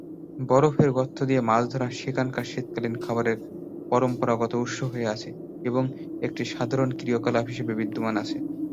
বরফের গর্ত দিয়ে মাঝ ধরা, সেখানকার শীতকালীন খাবারের পরম্পরাগত উৎস হয়ে আছে এবং একটি সাধারণ ক্রিয়াকলাপ হিসাবে বিদ্যমান আছে।